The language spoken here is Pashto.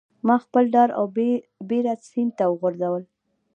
ماخپل ډار او بیره سیند ته وغورځول